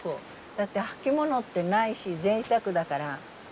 だって履き物ってないしぜいたくだから。